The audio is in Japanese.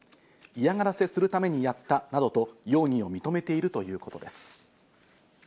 嫌がらせするためにやったなどと容疑を認めているということです。